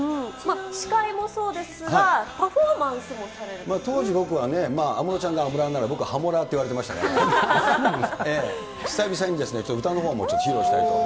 司会もそうですが、パフォー当時、僕は安室さんがアムラーなら、僕はハモラーと呼ばれていましたから、久々にちょっと歌のほうも披露したいと。